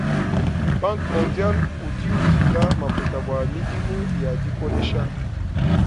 Banque mondiale udi ufila makuta bua midimu ya dikolesha.